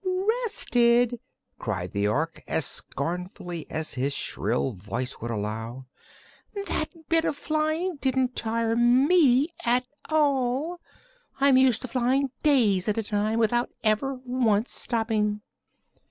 "Rested!" cried the Ork, as scornfully as his shrill voice would allow. "That bit of flying didn't tire me at all. I'm used to flying days at a time, without ever once stopping."